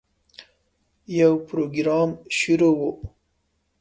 یو پروګرام شروع و.